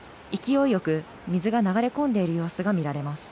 勢いよく水が流れ込んでいる様子が見られます。